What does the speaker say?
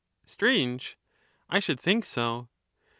Strange I I should think so.